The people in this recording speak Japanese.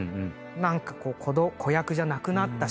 何か子役じゃなくなったし。